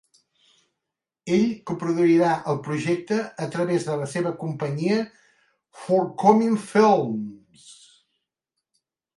Ell coproduirà el projecte a través de la seva companyia, Forthcoming Films.